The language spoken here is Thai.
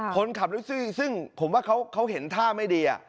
คนขับแท็กซี่ซึ่งผมว่าเขาเห็นท่าไม่ดี